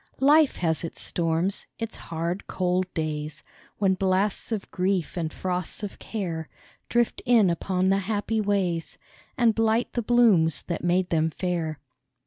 Life has its storms ; its hard, cold days, When blasts of grief and frosts of care Drift in upon the happy ways, And blight the blooms that made them fair.